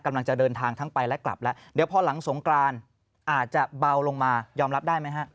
กำลังจะเดินทางทั้งไปและกลับแล้วเดี๋ยวพอหลังสงกรานอาจจะเบาลงมายอมรับได้ไหมฮะ